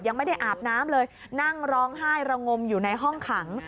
ยังไม่ได้อาบน้ำเลยนั่งร้องไห้ระงมอยู่ในห้องขัง